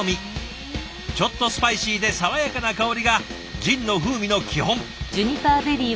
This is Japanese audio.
ちょっとスパイシーで爽やかな香りがジンの風味の基本。